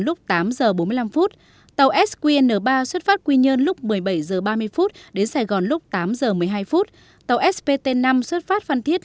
lúc tám h bốn mươi năm tàu sqn ba xuất phát tại quy nhơn lúc một mươi bảy h ba mươi đến sài gòn lúc tám h một mươi hai tàu spt năm xuất phát tại phan thiết